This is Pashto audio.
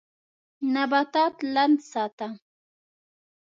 نباتات لند ساته.